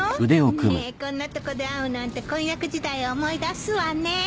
ねえこんなとこで会うなんて婚約時代を思い出すわね。